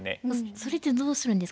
それってどうするんですか？